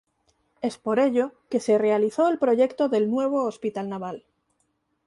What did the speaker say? Es por ello que se realizó el proyecto del nuevo Hospital Naval.